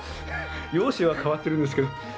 容姿は変わってるんですけど。